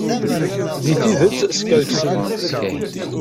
Deg tidet, skerksent.